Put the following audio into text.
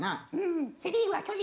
「セ・リーグは巨人。